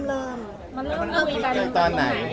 มันเริ่มคุยกันตอนไหนตอนเล่นละครหรือตอนไหน